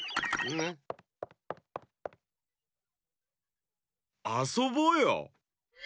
ぬ？あそぼうよ！